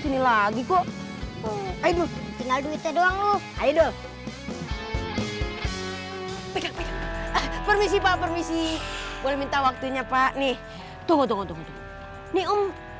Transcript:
sini lagi kok ayo dong ayo dong permisi permisi boleh minta waktunya pak nih tunggu nih um di